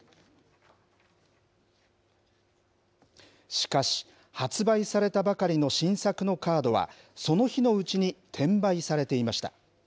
しかし、発売されたばかりの新作のカードは、その日のうちに転売されていました。